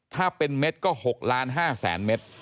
ถ้าเป็นเม็ดก็๖ล้าน๕แสนเมตร